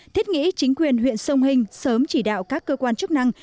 thiết nghĩ chính quyền huyện sông hình sớm chỉ đạo các cơ quan chức năng